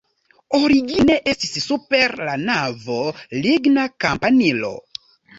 Origine estis super la navo ligna kampanilo.